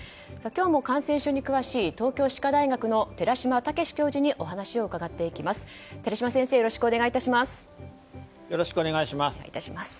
今日も感染症に詳しい東京歯科大学の寺嶋毅教授にお話を伺っていきます。